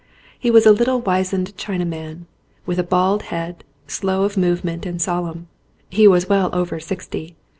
He was a little wizened China man, with a bald head, slow of movement and solemn. He was well over sixty.